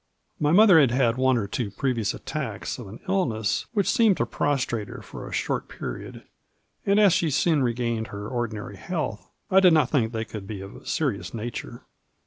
My mother had had one or two previous attacks of an Digitized by VjOOQIC MARJORY. 83 illness which seemed to prostrate her for a short period, and as she soon regained her ordinary health, I did not think they could be of a serious nature.